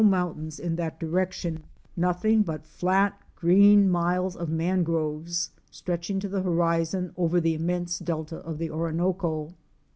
mountains in that direction — nothing but flat, green miles of mangroves, stretching to the horizon over the immense delta of the Orinoco.